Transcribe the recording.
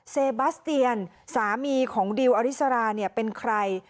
เซบัสเตียนสามีของดิวอริสราเนี่ยเป็นใคร